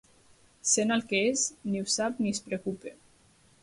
Sent el que és, ni ho sap ni es preocupa.